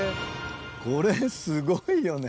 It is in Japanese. これすごいよね。